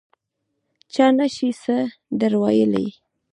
چا نه شي څه در ویلای.